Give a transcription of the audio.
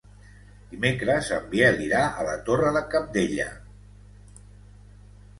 Dimecres en Biel irà a la Torre de Cabdella.